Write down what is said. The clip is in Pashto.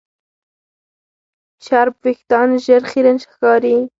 چرب وېښتيان ژر خیرن ښکاري.